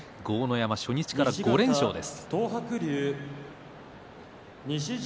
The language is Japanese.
山は初日から５連勝です。